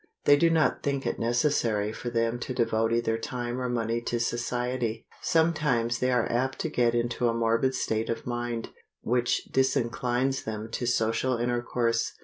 They do not think it necessary for them to devote either time or money to society. Sometimes they are apt to get into a morbid state of mind, which disinclines them to social intercourse.